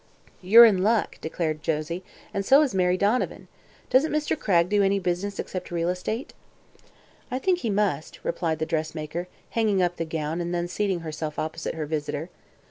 "You're in luck," declared Josie, "and so is Mary Donovan. Doesn't Mr. Cragg do any business except real estate?" "I think he must," replied the dressmaker, hanging up the gown and then seating herself opposite her visitor.